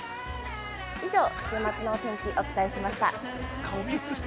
以上、週末のお天気、お伝えしました。